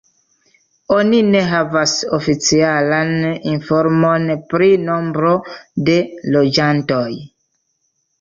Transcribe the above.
Oni ne havas oficialan informon pri nombro de loĝantoj.